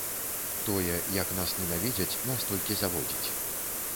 Тое, як нас ненавідзяць, нас толькі заводзіць.